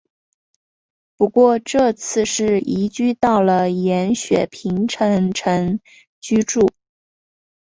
不过这次是移居到了延雪平城城居住。